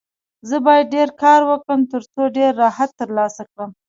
زه باید ډېر کار وکړم، ترڅو ډېر راحت ترلاسه کړم.